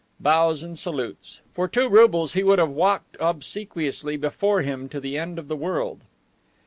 Bows and salutes. For two roubles he would have walked obsequiously before him to the end of the world.